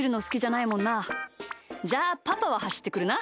じゃあパパははしってくるな。